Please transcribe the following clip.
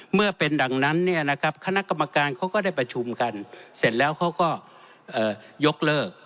เมื่อเป็นดังนั้นเนี่ยนะครับคณะกรรมการเขาก็ได้ประชุมกันเสร็จแล้วเขาก็ยกเลิก